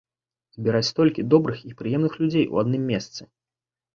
Збіраць столькі добрых і прыемных людзей у адным месцы.